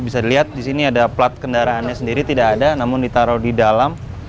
bisa dilihat di sini ada plat kendaraannya sendiri tidak ada namun ditaruh di dalam